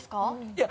いや！